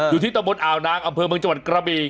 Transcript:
อยู่ที่ตะบนอาวนางอำเภอเมืองจังหวันกระบี